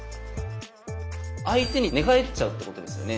相手に寝返っちゃうってことですよね。